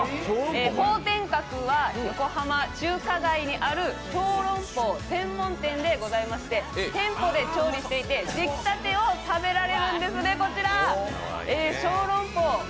鵬天閣は横浜中華街にある小籠包専門店でございまして店舗で調理していて出来たてを食べられるんですね。